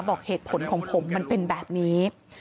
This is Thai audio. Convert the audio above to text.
บอกเหตุผลของผมมันเป็นแบบนี้